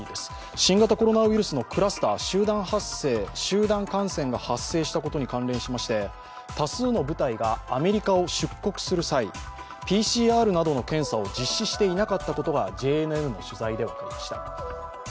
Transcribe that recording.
新型コロナウイルスのクラスター、集団感染が発生したことに関連しまして、多数の部隊がアメリカを出国する際、ＰＣＲなどの検査を実施していなかったことがＪＮＮの取材で分かりました。